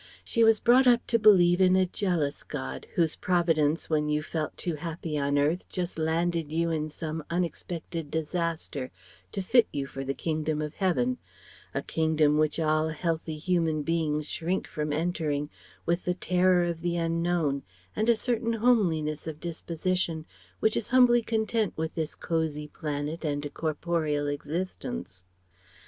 She was brought up to believe in a jealous God, whose Providence when you felt too happy on earth just landed you in some unexpected disaster to fit you for the Kingdom of Heaven a Kingdom which all healthy human beings shrink from entering with the terror of the unknown and a certain homeliness of disposition which is humbly content with this cosy planet and a corporeal existence.